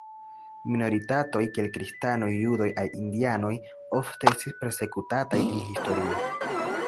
Minoritatoj, kiel kristanoj, judoj aŭ indianoj ofte estis persekutataj en historio.